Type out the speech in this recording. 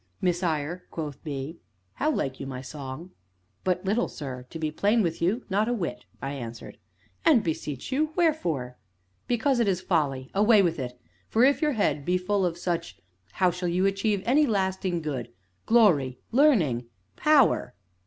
"Messire," quoth be; "how like you my song?" "But little, sir to be plain with you, not a whit," I answered. "And, beseech you wherefore?" "Because it is folly away with it, for, if your head be full of such, how shall you achieve any lasting good Glory, Learning, Power?"